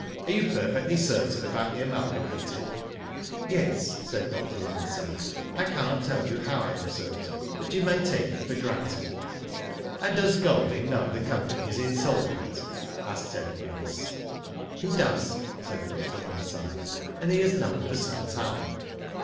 "Are you perfectly certain about the Amalgamated?" " Yes/* said Dr. Langside. *^ I cannot tell you how I am certain, but you may take it for granted." '*And does Golding know the company is insolvent?" asked Ted Bryce. He does," said Dr. Langside. " And has known for some time."